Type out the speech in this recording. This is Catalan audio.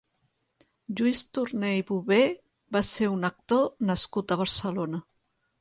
Lluís Torner i Bové va ser un actor nascut a Barcelona.